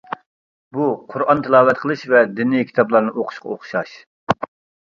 بۇ قۇرئان تىلاۋەت قىلىش ۋە دىنىي كىتابلارنى ئوقۇشقا ئوخشاش.